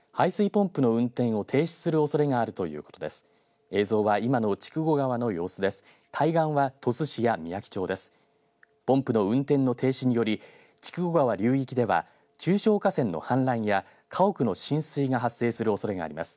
ポンプの運転の停止により筑後川流域では中小河川の氾濫や家屋の浸水が発生するおそれがあります。